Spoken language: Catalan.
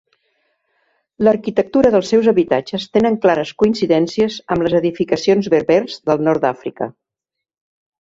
L'arquitectura dels seus habitatges tenen clares coincidències amb les edificacions berbers del nord d'Àfrica.